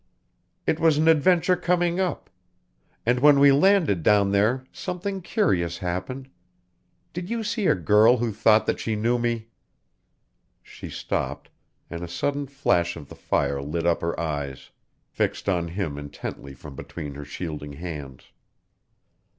"It was an adventure coming up. And when we landed down there something curious happened. Did you see a girl who thought that she knew me " She stopped, and a sudden flash of the fire lit up her eyes, fixed on him intently from between her shielding hands.